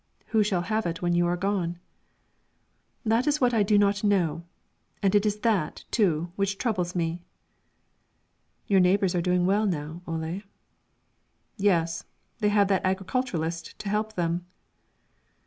"Who shall have it when you are gone?" "That is what I do not know, and it is that, too, which troubles me." "Your neighbors are doing well now, Ole." "Yes, they have that agriculturist to help them."